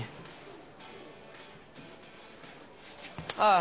あ